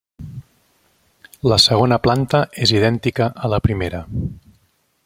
La segona planta és idèntica a la primera.